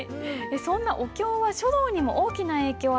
そんなお経は書道にも大きな影響を与えたものなんです。